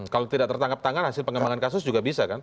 kalau tidak tertangkap tangan hasil pengembangan kasus juga bisa kan